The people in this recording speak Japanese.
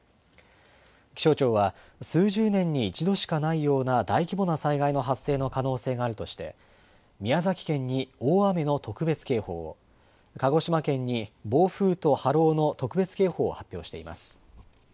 気象庁は、数十年に一度しかないような大規模な災害の発生の可能性があるとして、宮崎県に大雨の特別警報を、鹿児島県に暴風と波浪の特別警報を発表しています。